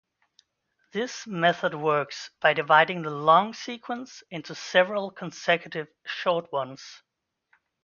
This method works by dividing the long sequence into several consecutive short ones.